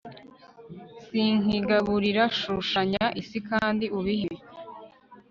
Sinkigaburira shushanya isi kandi ubibe